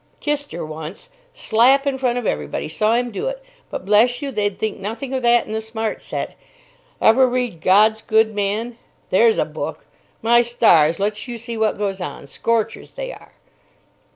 Kissed her once. Slap in front of everybody. Saw him do it. But, bless you, they'd think nothing of that in the Smart Set. Ever read 'God's Good Man'? There's a book! My stars! Lets you see what goes on. Scorchers they are."